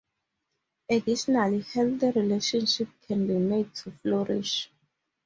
Additionally, healthy relationships can be made to flourish.